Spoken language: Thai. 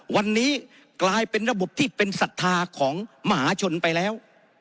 วันนี้กลายเป็นระบบที่เป็นศรัทธาของมหาชนไปแล้ว